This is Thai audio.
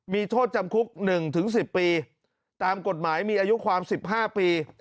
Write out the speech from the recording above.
มีโทษจำคุก๑๑๐ปีตามกฎหมายมีอายุความ๑๕ปี